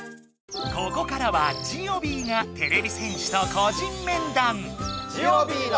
ここからはジオビーがてれび戦士と個人面談！